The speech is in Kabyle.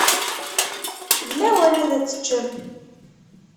D lawan ad teččem.